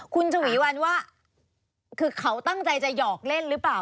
คุณฉวีวันว่าคือเขาตั้งใจจะหยอกเล่นหรือเปล่า